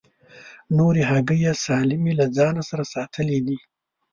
نورې هګۍ یې سالمې له ځان سره ساتلې دي.